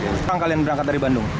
berapa orang kalian berangkat dari bandung